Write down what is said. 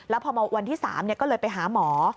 แล้วพอมาวันที่๓ก็เลยไปหาหมอ